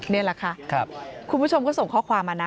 นี่แหละค่ะคุณผู้ชมก็ส่งข้อความมานะ